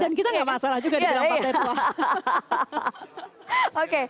dan kita gak masalah juga di dalam partai tua